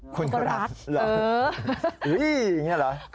คุณเขารัก